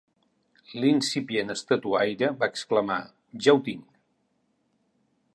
L'incipient estatuaire va exclamar: ¡Ja ho tinc!.